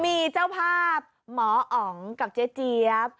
มีเจ้าภาพหมออ๋องกับเจ๊เจี๊ยบ